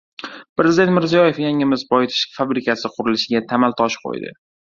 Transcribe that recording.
Prezident Mirziyoyev yangi mis boyitish fabrikasi qurilishiga tamal toshi qo‘ydi